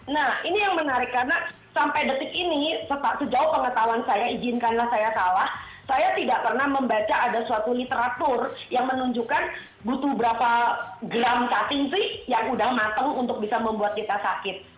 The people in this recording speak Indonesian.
nah ini yang menarik karena sampai detik ini sejauh pengetahuan saya izinkanlah saya salah saya tidak pernah membaca ada suatu literatur yang menunjukkan butuh berapa gram cacing sih yang udah matang untuk bisa membuat kita sakit